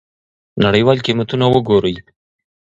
نړیوال قیمتونه وګورئ.